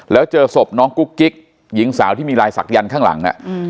แล้วเจอศพน้องกุ๊กกิ๊กหญิงสาวที่มีลายศักยันต์ข้างหลัง